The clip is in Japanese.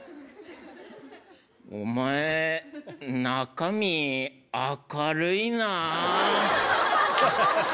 お前、中身明るいな。